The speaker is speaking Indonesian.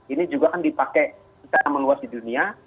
ini juga kan dipakai secara meluas di dunia